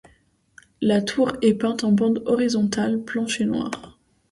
La tour est peinte en bandes horizontales blanches et noires.